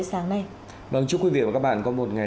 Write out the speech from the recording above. đăng ký kênh để ủng hộ kênh của mình nhé